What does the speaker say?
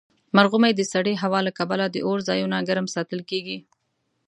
مرغومی د سړې هوا له کبله د اور ځایونه ګرم ساتل کیږي.